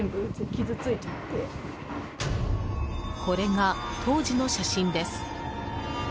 これが当時の写真です。